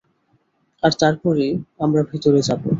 আর তারপরই, আমরা ভেতরে যাবো।